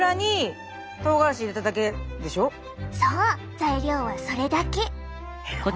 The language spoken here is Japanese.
材料はそれだけ！